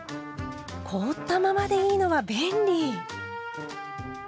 凍ったままでいいのは便利！